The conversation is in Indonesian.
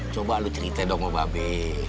coba lu cerita dong sama mbak be